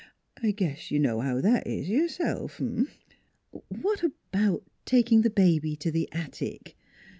I guess you know how that is yourself, 'm." " What about taking the baby to the attic?